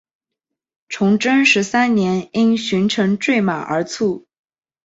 崇祯十三年因巡城坠马而卒。